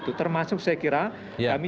itu termasuk saya kira kami